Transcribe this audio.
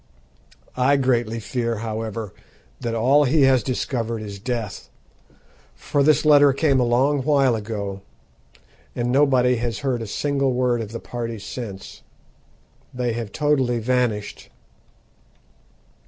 I greatly fear, however, that all he has discovered is death; for this letter came a long while ago, and nobody has heard a single word of the party since. They have totally vanished.